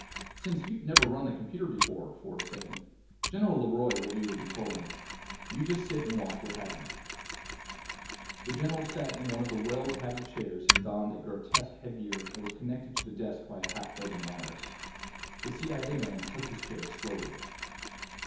"Since you've never run the computer before," Ford said, "General LeRoy will do the controlling. You just sit and watch what happens." The general sat in one of the well padded chairs and donned a grotesque headgear that was connected to the desk by a half dozen wires. The CIA man took his chair slowly.